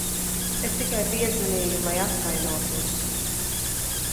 Es tikai piezvanīju, lai atvainotos.